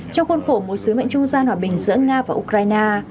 trong khuôn khổ một sứ mệnh trung gian hòa bình giữa nga và ukraine